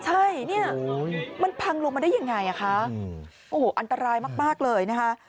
ใช่เนี่ยมันพังลงมาได้ยังไงอ่ะคะโอ้โหอันตรายมากเลยนะคะ